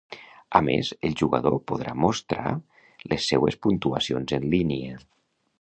A més, el jugador podrà mostrar les seues puntuacions en línia.